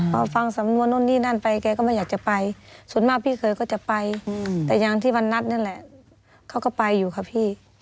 พอฟังสำนวนนู่นนี่นั่นไปแกก็ไม่อยากจะไปส่วนมากพี่เคยก็จะไปแต่อย่างที่วันนัดนั่นแหละเขาก็ไปอยู่ค่ะพี่